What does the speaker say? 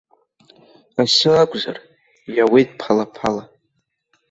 Асы акәзар, иауеит ԥала-ԥала.